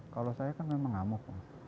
kalau saya kan memang ngamuk mas